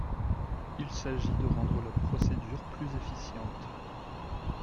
Il s’agit de rendre la procédure plus efficiente.